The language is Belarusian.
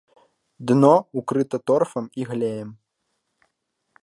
Дно ўкрыта торфам і глеем.